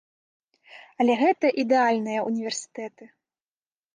Але гэта ідэальныя ўніверсітэты.